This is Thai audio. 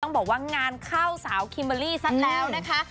ก็ต้องบอกว่างานเข้าสาวคิมเบอร์รี่สักแล้วนะคะ